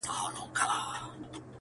بحث لا هم دوام لري تل,